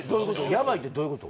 ヤバイってどういうこと？